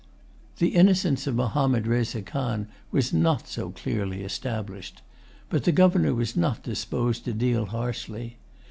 The innocence of Mahommed Reza Khan was not so clearly established. But the Governor was not disposed to deal harshly.